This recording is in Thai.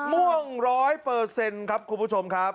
ม่วงร้อยเปอร์เซ็นต์ครับคุณผู้ชมครับ